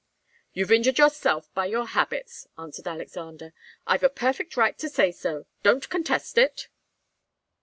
"You've injured yourself by your habits," answered Alexander. "I've a perfect right to say so. Don't contest it."